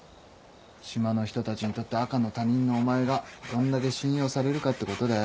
島の人たちにとって赤の他人のお前がどんだけ信用されるかってことだよ。